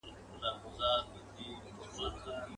چي مطلب ته په رسېږي هغه وايي.